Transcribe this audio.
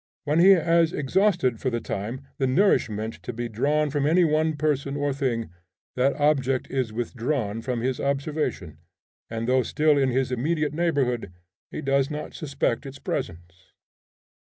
When he has exhausted for the time the nourishment to be drawn from any one person or thing, that object is withdrawn from his observation, and though still in his immediate neighborhood, he does not suspect its presence.